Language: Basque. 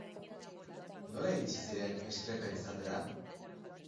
Nola iritsi dira streper izatera?